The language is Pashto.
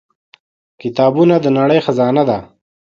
• کتابونه د نړۍ خزانه ده.